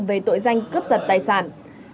về tội danh cướp giật tài sản